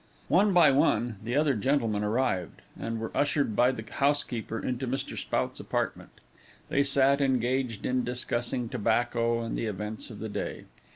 One by one, the other gentlemen arrived, and were ushered by the housekeeper into Mr. Spout's apartment. They sat, engaged in discussing tobacco and the events of the day.